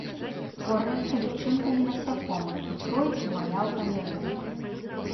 Кормяцца лічынкамі насякомых, ікрой і маляўкамі рыб.